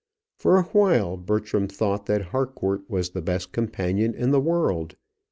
For awhile Bertram thought that Harcourt was the best companion in the world.